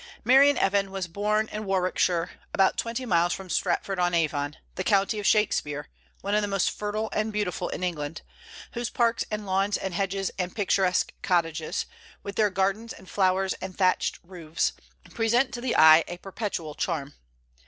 Marian Evans was born in Warwickshire, about twenty miles from Stratford on Avon, the county of Shakspeare, one of the most fertile and beautiful in England, whose parks and lawns and hedges and picturesque cottages, with their gardens and flowers and thatched roofs, present to the eye a perpetual charm.